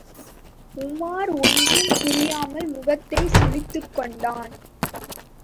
உமார் ஒன்றும் புரியாமல் முகத்தைச் சுளித்துக்கொண்டான்.